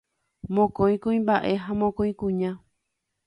Mokõi kuimba'e ha mokõi kuña.